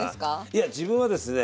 いや自分はですね